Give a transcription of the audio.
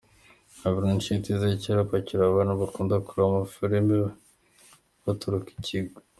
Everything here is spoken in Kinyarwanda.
Gabiro n'inshuti ze kera bakiri abana bakunda kureba ama filime bagatoroka ikigo.